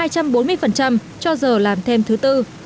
cho giờ làm thêm thứ bốn